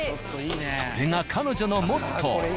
それが彼女のモットー。